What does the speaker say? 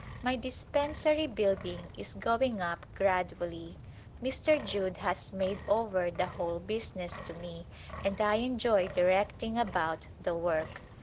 My dispensary building is going up gradually. Mr. Judd has made over the whole business to me and I enjoy directing about the work.